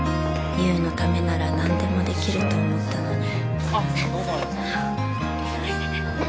優のためなら何でもできると思ったのにすいません